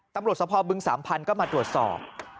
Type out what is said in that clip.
ตำรวจสะพอบึง๓๐๐๐ก็มาตรวจสอบ